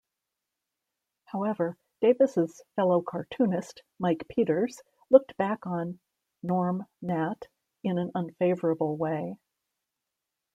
However, Davis's fellow-cartoonist Mike Peters looked back on "Gnorm Gnat" in an unfavorable way.